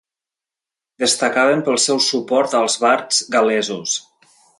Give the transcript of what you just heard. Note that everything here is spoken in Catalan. Destacaven pel seu suport als bards gal·lesos.